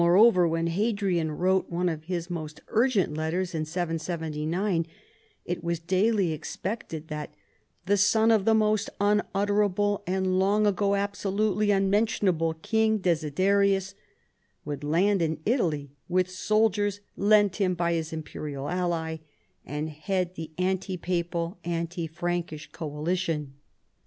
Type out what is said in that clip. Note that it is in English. over, when Hadrian wrote one of his most urgent letters, in 779, it was daily expected that " the son of the most unutterable and long ago absolutely unmentionable king Desiderius" would land in Italy with soldiers lent him by his Imperial ally and head the anti Papal, anti Frankish coalition.